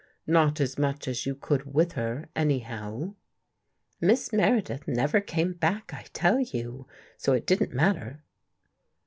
Not as much as you could with her, anyhow?" " Miss Meredith never came back, I tell you, so it didn't matter."